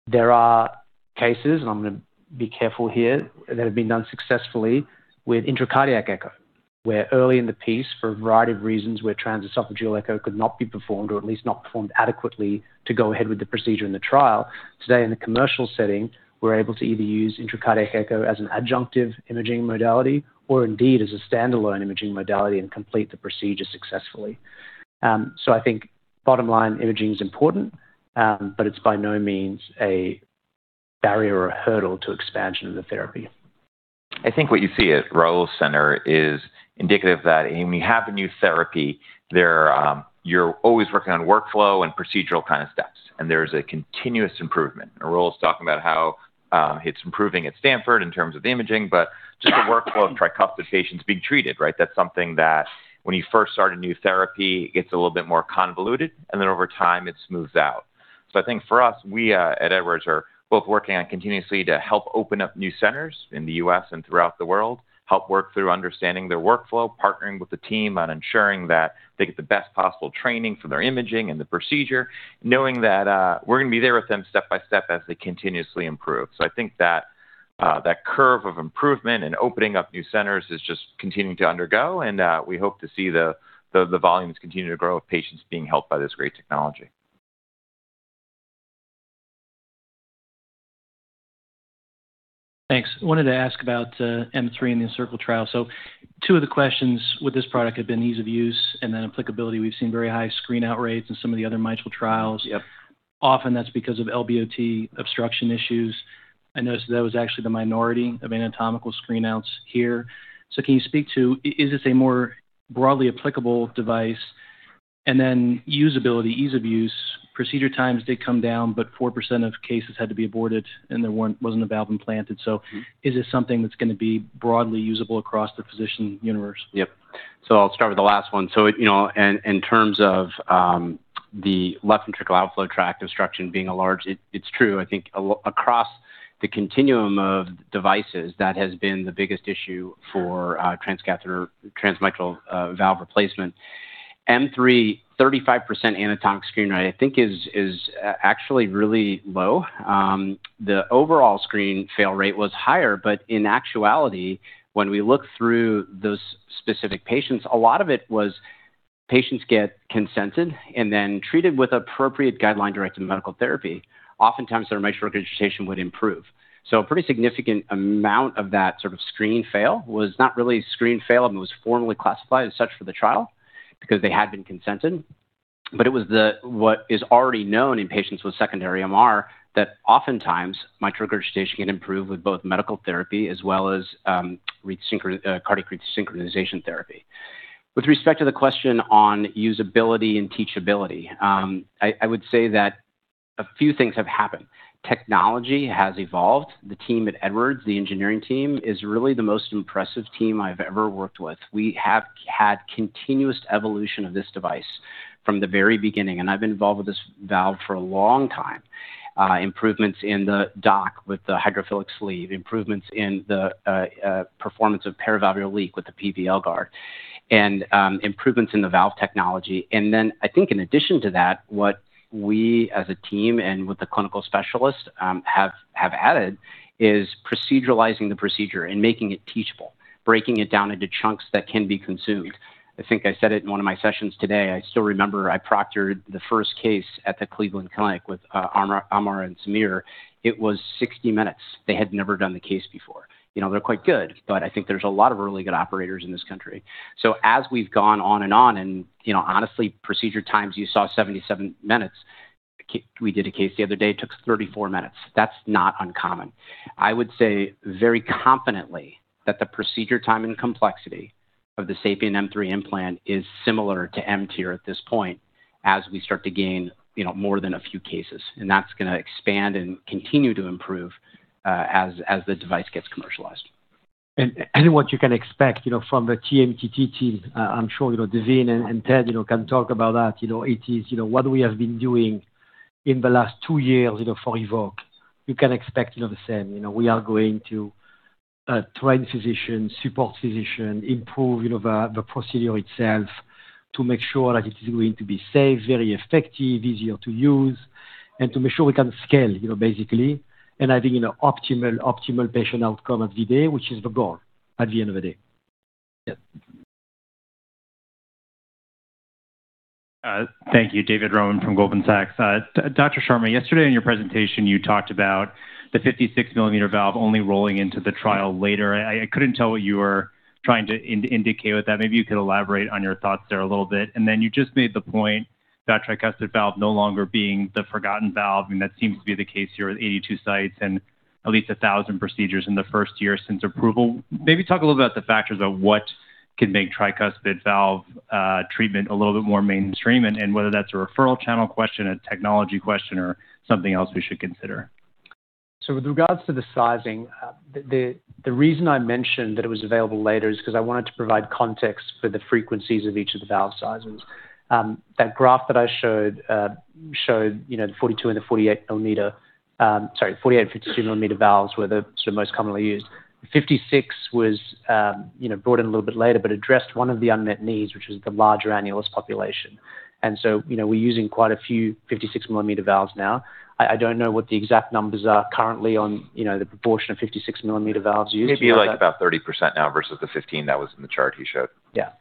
There are cases, and I'm going to be careful here, that have been done successfully with intracardiac echo, where early in the piece, for a variety of reasons, where transesophageal echo could not be performed or at least not performed adequately to go ahead with the procedure in the trial, today in the commercial setting, we're able to either use intracardiac echo as an adjunctive imaging modality or indeed as a standalone imaging modality and complete the procedure successfully. I think bottom line imaging is important, but it's by no means a barrier or a hurdle to expansion of the therapy.
I think what you see at Rahul's center is indicative that when you have a new therapy, you're always working on workflow and procedural kind of steps, and there's a continuous improvement. Rahul's talking about how it's improving at Stanford in terms of the imaging, but just the workflow of tricuspid patients being treated, right? That's something that when you first start a new therapy, it gets a little bit more convoluted, and then over time it smooths out, so I think for us, we at Edwards are both working on continuously to help open up new centers in the U.S. and throughout the world, help work through understanding their workflow, partnering with the team on ensuring that they get the best possible training for their imaging and the procedure, knowing that we're going to be there with them step by step as they continuously improve. So I think that curve of improvement and opening up new centers is just continuing to undergo, and we hope to see the volumes continue to grow of patients being helped by this great technology. Thanks. I wanted to ask about M3 in the ENCIRCLE trial. So two of the questions with this product have been ease of use and then applicability. We've seen very high screen out rates in some of the other mitral trials.
Yep. Often that's because of LVOT obstruction issues. I noticed that was actually the minority of anatomical screen outs here. So can you speak to, is this a more broadly applicable device? And then usability, ease of use, procedure times did come down, but 4% of cases had to be aborted and there wasn't a valve implanted. So is this something that's going to be broadly usable across the physician universe? Yep, so I'll start with the last one, so you know, in terms of the left ventricular outflow tract obstruction being a large, it's true. I think across the continuum of devices, that has been the biggest issue for transcatheter transmitral valve replacement. M3, 35% anatomic screen rate, I think is actually really low. The overall screen fail rate was higher, but in actuality, when we look through those specific patients, a lot of it was patients get consented and then treated with appropriate guideline-directed medical therapy. Oftentimes, their mitral regurgitation would improve. A pretty significant amount of that sort of screen fail was not really screen fail and was formally classified as such for the trial because they had been consented. But it was what is already known in patients with secondary MR that oftentimes mitral regurgitation can improve with both medical therapy as well as cardiac resynchronization therapy. With respect to the question on usability and teachability, I would say that a few things have happened. Technology has evolved. The team at Edwards, the engineering team, is really the most impressive team I've ever worked with. We have had continuous evolution of this device from the very beginning. And I've been involved with this valve for a long time. Improvements in the dock with the hydrophilic sleeve, improvements in the performance of perivalvular leak with the PVL guard, and improvements in the valve technology. And then I think, in addition to that, what we as a team and with the clinical specialist have added is proceduralizing the procedure and making it teachable, breaking it down into chunks that can be consumed. I think I said it in one of my sessions today. I still remember I proctored the first case at the Cleveland Clinic with Amar and Samir. It was 60 minutes. They had never done the case before. You know, they're quite good, but I think there's a lot of really good operators in this country. So as we've gone on and on and, you know, honestly, procedure times, you saw 77 minutes. We did a case the other day. It took 34 minutes. That's not uncommon. I would say very confidently that the procedure time and complexity of the SAPIEN M3 implant is similar to M-TEER at this point as we start to gain, you know, more than a few cases, and that's going to expand and continue to improve as the device gets commercialized.
What you can expect, you know, from the TMTT team. I'm sure, you know, Daveen and Ted, you know, can talk about that. You know, it is, you know, what we have been doing in the last two years, you know, for EVOQUE. You can expect, you know, the same. You know, we are going to train physicians, support physicians, improve, you know, the procedure itself to make sure that it is going to be safe, very effective, easier to use, and to make sure we can scale, you know, basically, and having, you know, optimal patient outcome at the day, which is the goal at the end of the day.
Thank you, David Roman from Goldman Sachs. Dr. Sharma, yesterday in your presentation, you talked about the 56-millimeter valve only rolling into the trial later. I couldn't tell what you were trying to indicate with that. Maybe you could elaborate on your thoughts there a little bit. And then you just made the point about tricuspid valve no longer being the forgotten valve. I mean, that seems to be the case here with 82 sites and at least 1,000 procedures in the first year since approval. Maybe talk a little bit about the factors of what can make tricuspid valve treatment a little bit more mainstream and whether that's a referral channel question, a technology question, or something else we should consider.
So with regards to the sizing, the reason I mentioned that it was available later is because I wanted to provide context for the frequencies of each of the valve sizes. That graph that I showed, you know, the 42 and the 48 millimeter, sorry, 48 and 52 millimeter valves were the sort of most commonly used. The 56 was, you know, brought in a little bit later, but addressed one of the unmet needs, which was the larger annulus population. And so, you know, we're using quite a few 56 millimeter valves now. I don't know what the exact numbers are currently on, you know, the proportion of 56 millimeter valves used.
Maybe like about 30% now versus the 15% that was in the chart he showed.
Yeah.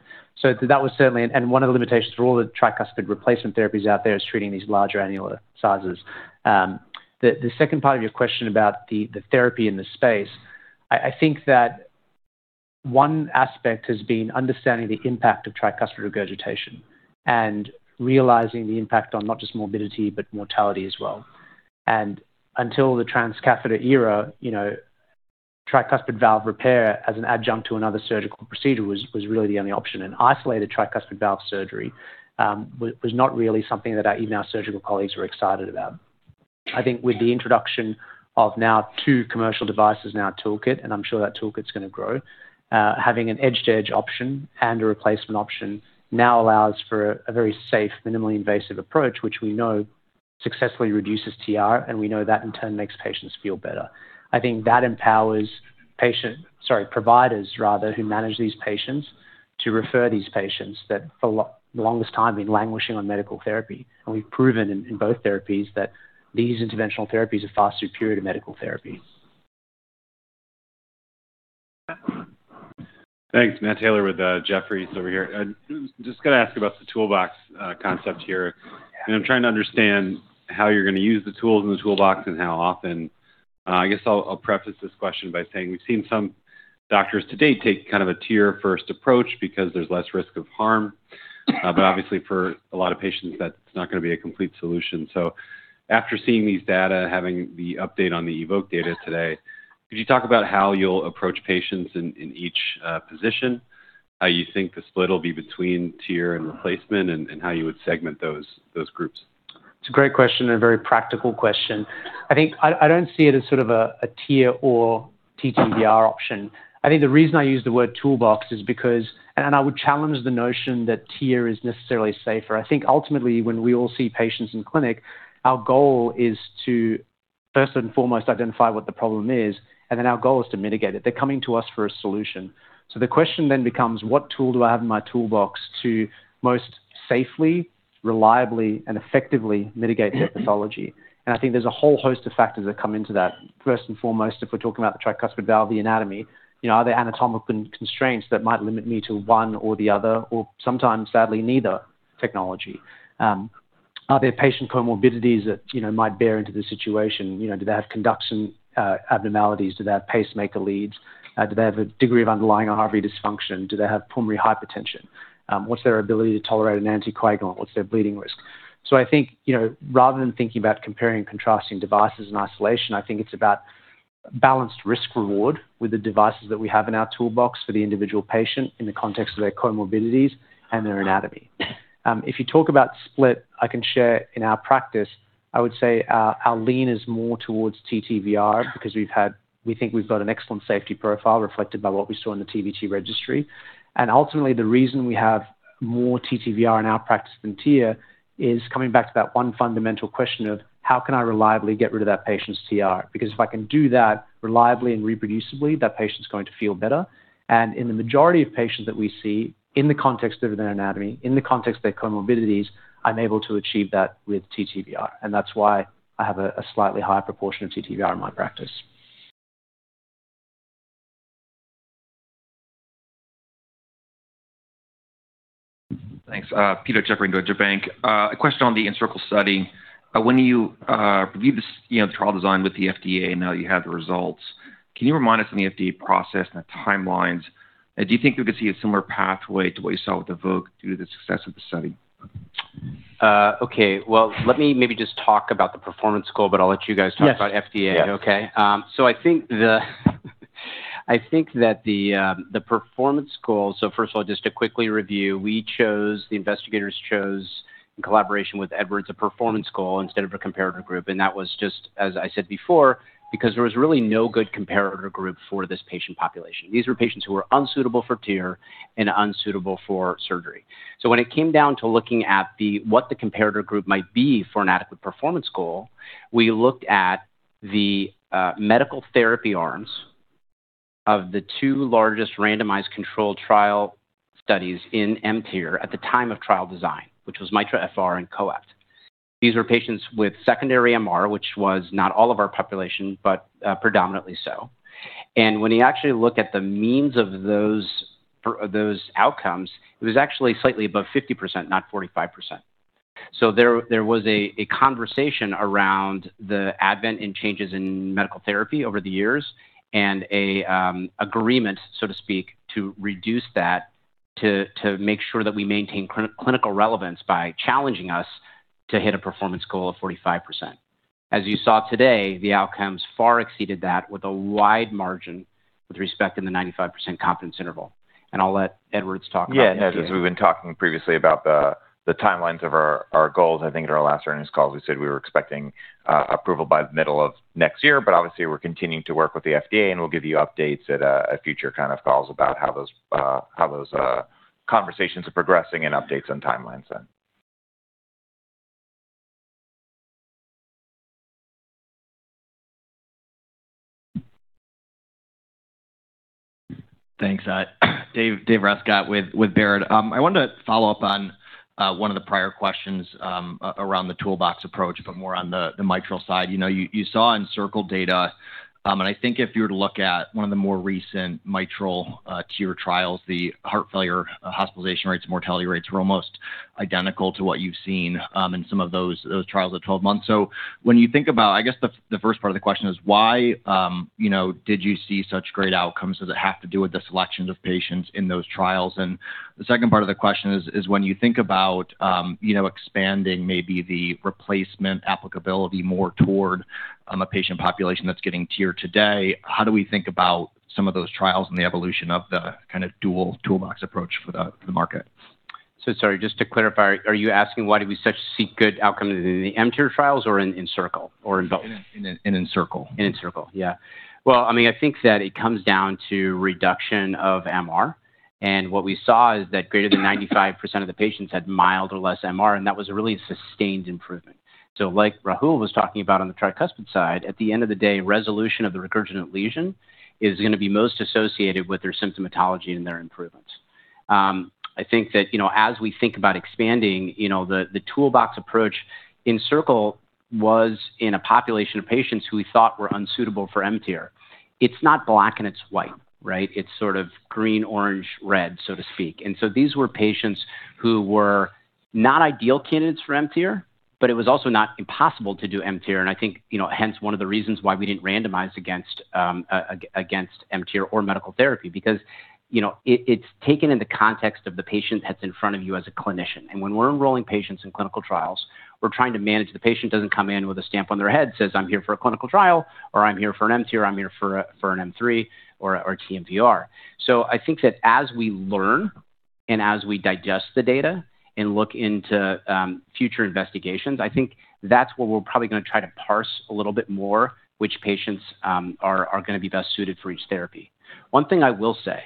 So that was certainly, and one of the limitations for all the tricuspid replacement therapies out there is treating these larger annular sizes. The second part of your question about the therapy in the space, I think that one aspect has been understanding the impact of tricuspid regurgitation and realizing the impact on not just morbidity, but mortality as well. Until the transcatheter era, you know, tricuspid valve repair as an adjunct to another surgical procedure was really the only option. Isolated tricuspid valve surgery was not really something that even our surgical colleagues were excited about. I think with the introduction of now two commercial devices in our toolkit, and I'm sure that toolkit's going to grow, having an edge-to-edge option and a replacement option now allows for a very safe, minimally invasive approach, which we know successfully reduces TR, and we know that in turn makes patients feel better. I think that empowers patient, sorry, providers rather, who manage these patients to refer these patients that for the longest time have been languishing on medical therapy, and we've proven in both therapies that these interventional therapies are far superior to medical therapies.
Thanks. Matt Taylor with Jefferies over here. I'm just going to ask about the toolbox concept here. And I'm trying to understand how you're going to use the tools in the toolbox and how often. I guess I'll preface this question by saying we've seen some doctors to date take kind of a TEER-first approach because there's less risk of harm. But obviously, for a lot of patients, that's not going to be a complete solution. So after seeing these data, having the update on the EVOQUE data today, could you talk about how you'll approach patients in each position, how you think the split will be between TEER and replacement, and how you would segment those groups?
It's a great question and a very practical question. I think I don't see it as sort of a TEER or TTVR option. I think the reason I use the word toolbox is because, and I would challenge the notion that TEER is necessarily safer. I think ultimately, when we all see patients in clinic, our goal is to, first and foremost, identify what the problem is, and then our goal is to mitigate it. They're coming to us for a solution. So the question then becomes, what tool do I have in my toolbox to most safely, reliably, and effectively mitigate their pathology? And I think there's a whole host of factors that come into that. First and foremost, if we're talking about the tricuspid valve, the anatomy, you know, are there anatomical constraints that might limit me to one or the other, or sometimes, sadly, neither technology? Are there patient comorbidities that, you know, might bear into the situation? You know, do they have conduction abnormalities? Do they have pacemaker leads? Do they have a degree of underlying RV dysfunction? Do they have pulmonary hypertension? What's their ability to tolerate an anticoagulant? What's their bleeding risk? So I think, you know, rather than thinking about comparing and contrasting devices in isolation, I think it's about balanced risk-reward with the devices that we have in our toolbox for the individual patient in the context of their comorbidities and their anatomy. If you talk about split, I can share in our practice, I would say our lean is more towards TTVR because we've had, we think we've got an excellent safety profile reflected by what we saw in the TVT Registry. Ultimately, the reason we have more TTVR in our practice than TEER is coming back to that one fundamental question of how can I reliably get rid of that patient's TR. Because if I can do that reliably and reproducibly, that patient's going to feel better. In the majority of patients that we see in the context of their anatomy, in the context of their comorbidities, I'm able to achieve that with TTVR. That's why I have a slightly higher proportion of TTVR in my practice.
Thanks. Pito Chickering in Deutsche Bank. A question on the ENCIRCLE study. When you reviewed the trial design with the FDA and now you have the results, can you remind us of the FDA process and the timelines? Do you think we could see a similar pathway to what you saw with EVOQUE due to the success of the study?
Okay. Well, let me maybe just talk about the performance goal, but I'll let you guys talk about FDA, okay? So I think that the performance goal, so first of all, just to quickly review, we chose, the investigators chose, in collaboration with Edwards, a performance goal instead of a comparator group. And that was just, as I said before, because there was really no good comparator group for this patient population. These were patients who were unsuitable for TEER and unsuitable for surgery. So when it came down to looking at what the comparator group might be for an adequate performance goal, we looked at the medical therapy arms of the two largest randomized controlled trial studies in M-TEER at the time of trial design, which was MITRA-FR and COAPT. These were patients with secondary MR, which was not all of our population, but predominantly so. And when you actually look at the means of those outcomes, it was actually slightly above 50%, not 45%. So there was a conversation around the advent and changes in medical therapy over the years and an agreement, so to speak, to reduce that to make sure that we maintain clinical relevance by challenging us to hit a performance goal of 45%. As you saw today, the outcomes far exceeded that with a wide margin with respect to the 95% confidence interval. And I'll let Edwards talk about that.
Yeah, as we've been talking previously about the timelines of our goals, I think at our last earnings calls, we said we were expecting approval by the middle of next year. But obviously, we're continuing to work with the FDA, and we'll give you updates at future kind of calls about how those conversations are progressing and updates on timelines then.
Thanks. David Rescott with Baird. I wanted to follow up on one of the prior questions around the toolbox approach, but more on the mitral side. You know, you saw ENCIRCLE data, and I think if you were to look at one of the more recent mitral M-TEER trials, the heart failure hospitalization rates and mortality rates were almost identical to what you've seen in some of those trials at 12 months. So when you think about, I guess the first part of the question is, why, you know, did you see such great outcomes? Does it have to do with the selections of patients in those trials? The second part of the question is, when you think about, you know, expanding maybe the replacement applicability more toward a patient population that's getting TEERed today, how do we think about some of those trials and the evolution of the kind of dual toolbox approach for the market?
Sorry, just to clarify, are you asking why did we see such good outcomes in the M-TEER trials or in ENCIRCLE or in both?
In ENCIRCLE.
In ENCIRCLE, yeah. Well, I mean, I think that it comes down to reduction of MR. And what we saw is that greater than 95% of the patients had mild or less MR, and that was a really sustained improvement. So like Rahul was talking about on the tricuspid side, at the end of the day, resolution of the regurgitant lesion is going to be most associated with their symptomatology and their improvements. I think that, you know, as we think about expanding, you know, the toolbox approach, ENCIRCLE was in a population of patients who we thought were unsuitable for M-TEER. It's not black and white, right? It's sort of green, orange, red, so to speak. And so these were patients who were not ideal candidates for M-TEER, but it was also not impossible to do M-TEER. And I think, you know, hence one of the reasons why we didn't randomize against M-TEER or medical therapy, because, you know, it's taken in the context of the patient that's in front of you as a clinician. And when we're enrolling patients in clinical trials, we're trying to manage the patient who doesn't come in with a stamp on their head, says, "I'm here for a clinical trial," or, "I'm here for an M-TEER," or, "I'm here for an M3 or TMVR." So I think that as we learn and as we digest the data and look into future investigations, I think that's what we're probably going to try to parse a little bit more, which patients are going to be best suited for each therapy. One thing I will say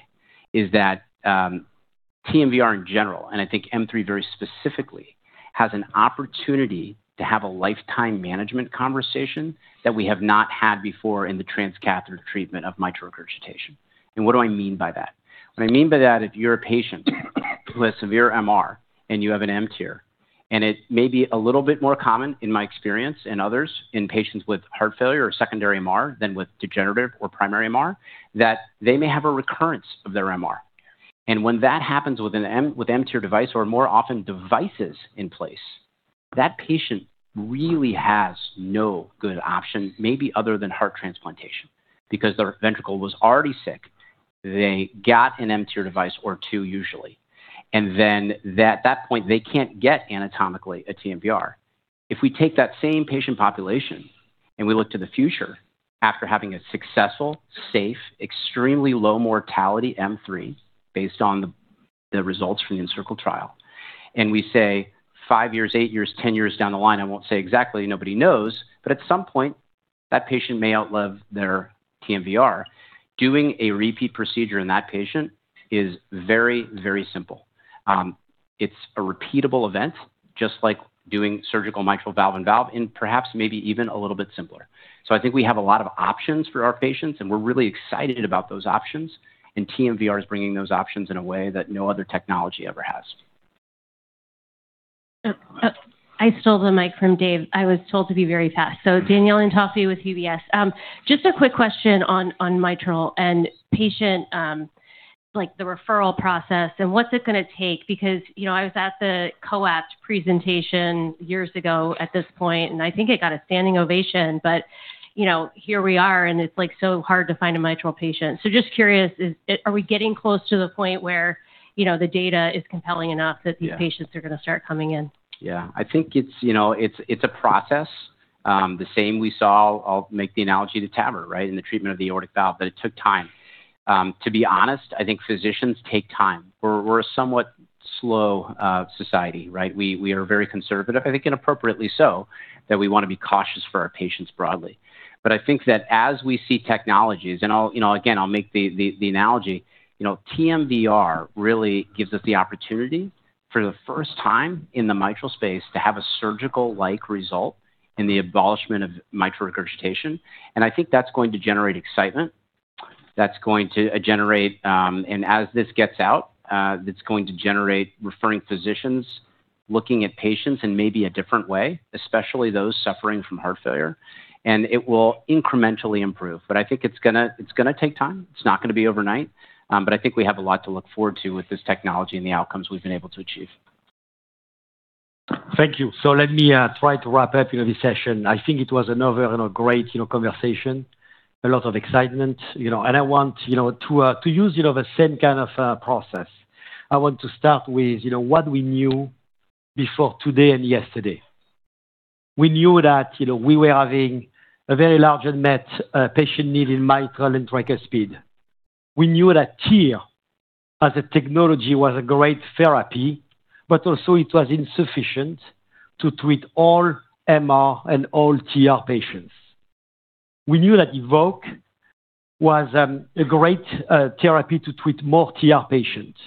is that TMVR in general, and I think M3 very specifically, has an opportunity to have a lifetime management conversation that we have not had before in the transcatheter treatment of mitral regurgitation. And what do I mean by that? What I mean by that, if you're a patient who has severe MR and you have an M-TEER, and it may be a little bit more common, in my experience and others, in patients with heart failure or secondary MR than with degenerative or primary MR, that they may have a recurrence of their MR. And when that happens with an M-TEER device or more often devices in place, that patient really has no good option, maybe other than heart transplantation, because their ventricle was already sick. They got an M-TEER device or two usually. And then at that point, they can't get anatomically a TMVR. If we take that same patient population and we look to the future after having a successful, safe, extremely low mortality M3 based on the results from the ENCIRCLE trial, and we say five years, eight years, ten years down the line, I won't say exactly, nobody knows, but at some point, that patient may outlive their TMVR. Doing a repeat procedure in that patient is very, very simple. It's a repeatable event, just like doing surgical mitral valve-in-valve, and perhaps maybe even a little bit simpler. So I think we have a lot of options for our patients, and we're really excited about those options. And TMVR is bringing those options in a way that no other technology ever has.
I stole the mic from Dave. I was told to be very fast. So Danielle Antalffy with UBS. Just a quick question on mitral and patient, like the referral process, and what's it going to take? Because, you know, I was at the COAPT presentation years ago at this point, and I think it got a standing ovation, but, you know, here we are, and it's like so hard to find a mitral patient. So just curious, are we getting close to the point where, you know, the data is compelling enough that these patients are going to start coming in?
Yeah. I think it's, you know, it's a process. The same we saw, I'll make the analogy to TAVR, right, in the treatment of the aortic valve, that it took time. To be honest, I think physicians take time. We're a somewhat slow society, right? We are very conservative, I think inappropriately so, that we want to be cautious for our patients broadly. But I think that as we see technologies, and I'll, you know, again, I'll make the analogy, you know, TMVR really gives us the opportunity for the first time in the mitral space to have a surgical-like result in the abolishment of mitral regurgitation. And I think that's going to generate excitement. That's going to generate, and as this gets out, it's going to generate referring physicians looking at patients in maybe a different way, especially those suffering from heart failure, and it will incrementally improve. But I think it's going to take time. It's not going to be overnight. But I think we have a lot to look forward to with this technology and the outcomes we've been able to achieve.
Thank you. So let me try to wrap up, you know, this session. I think it was another great, you know, conversation, a lot of excitement, you know, and I want, you know, to use the same kind of process. I want to start with, you know, what we knew before today and yesterday. We knew that, you know, we were having a very large unmet patient need in mitral and tricuspid. We knew that TEER, as a technology, was a great therapy, but also it was insufficient to treat all MR and all TR patients. We knew that EVOQUE was a great therapy to treat more TR patients.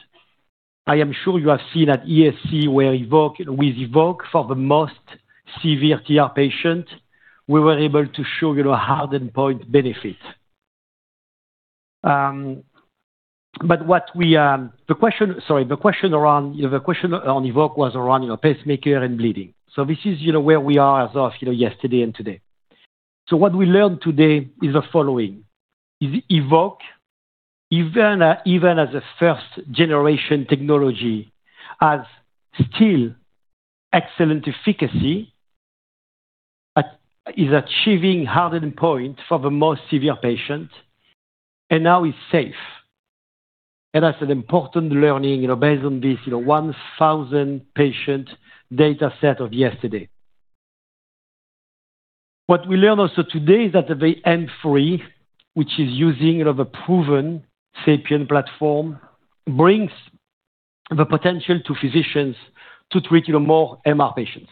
I am sure you have seen at ESC where EVOQUE, with EVOQUE for the most severe TR patients, we were able to show, you know, hard endpoint benefit. But the question around, you know, the question on EVOQUE was around, you know, pacemaker and bleeding. So this is, you know, where we are as of, you know, yesterday and today. So what we learned today is the following: EVOQUE, even as a first-generation technology, has still excellent efficacy, is achieving hard endpoint for the most severe patients, and now is safe. And that's an important learning, you know, based on this, you know, 1,000-patient data set of yesterday. What we learned also today is that the M3, which is using, you know, the proven SAPIEN platform, brings the potential to physicians to treat, you know, more MR patients.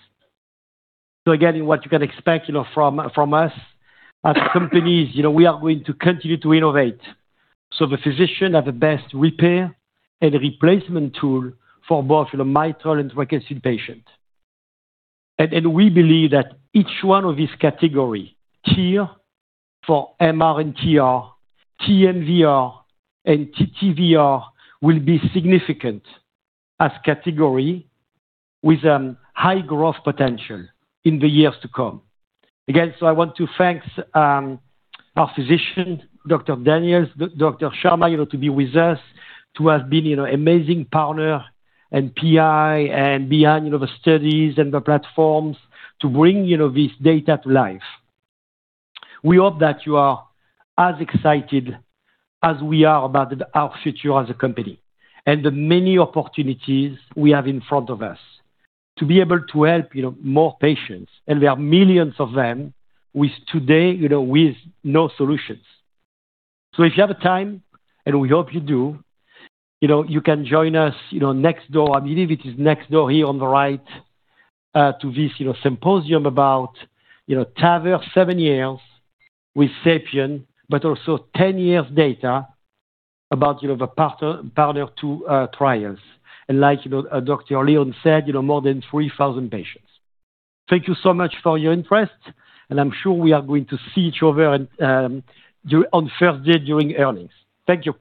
So again, what you can expect, you know, from us as companies, you know, we are going to continue to innovate so the physician has the best repair and replacement tool for both, you know, mitral and tricuspid patients. And we believe that each one of these categories, TEER for MR and TR, TMVR and TTVR, will be significant as category with high growth potential in the years to come. Again, so I want to thank our physician, Dr. Daniels, Dr. Sharma, you know, to be with us, to have been, you know, an amazing partner and PI and behind, you know, the studies and the platforms to bring, you know, this data to life. We hope that you are as excited as we are about our future as a company and the many opportunities we have in front of us to be able to help, you know, more patients. And there are millions of them with today, you know, with no solutions. So if you have time, and we hope you do, you know, you can join us, you know, next door. I believe it is next door here on the right to this, you know, symposium about, you know, TAVR, seven years with SAPIEN, but also 10 years data about, you know, the PARTNER trials. And like, you know, Dr. Leon said, you know, more than 3,000 patients. Thank you so much for your interest, and I'm sure we are going to see each other on Thursday during earnings. Thank you.